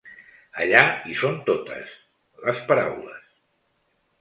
Allà hi són totes, les paraules.